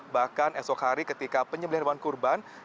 bahkan esok hari ketika penyembelian hewan kurban